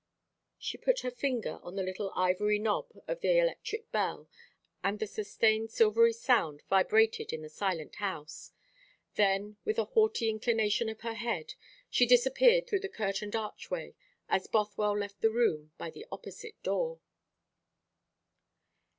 She put her finger on the little ivory knob of the electric bell, and the sustained silvery sound vibrated in the silent house. Then, with a haughty inclination of her head, she disappeared through the curtained archway as Bothwell left the room by the opposite door.